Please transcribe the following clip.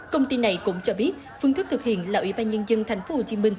công ty này cũng cho biết phương thức thực hiện là ủy ban nhân dân tp hcm